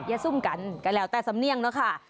อย่าซุ่มกันแล้วแต่สำเนี่ยงนะค่ะ